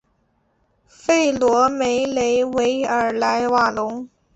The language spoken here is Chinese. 弗罗梅雷维尔莱瓦隆。